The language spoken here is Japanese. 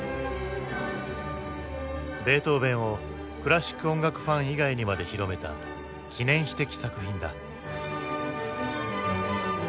ベートーヴェンをクラシック音楽ファン以外にまで広めた記念碑的作品だ。